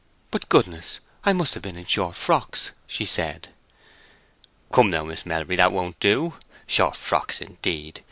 "But, goodness! I must have been in short frocks," she said. "Come now, Miss Melbury, that won't do! Short frocks, indeed!